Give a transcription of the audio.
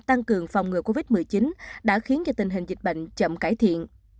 tăng cường phòng ngừa covid một mươi chín đã khiến cho tình hình dịch bệnh chậm cải thiện